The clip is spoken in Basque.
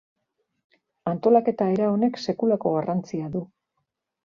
Antolaketa era honek sekulako garrantzia du.